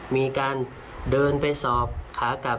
มีการเดินไปสอบขากลับ